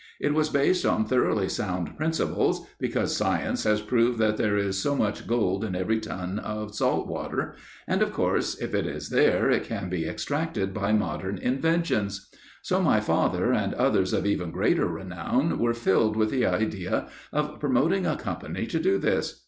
It was based on thoroughly sound principles; because science has proved that there is so much gold in every ton of salt water; and, of course, if it is there, it can be extracted by modern inventions. So my father and others of even greater renown were filled with the idea of promoting a company to do this.